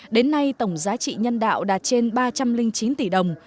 đến nay tổng giá trị nhân đạo đạt trên ba trăm linh chín tỷ đồng